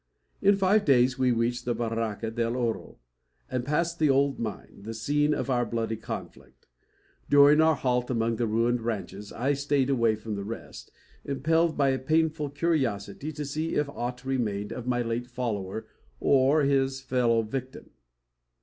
In five days we reached the Barranca del Oro, and passed the old mine, the scene of our bloody conflict. During our halt among the ruined ranches, I strayed away from the rest, impelled by a painful curiosity to see if aught remained of my late follower or his fellow victim.